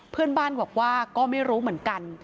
เพื่อนบ้านบอกว่าก็ไม่รู้เหมือนกัน